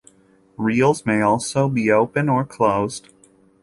Reels may also be open or closed.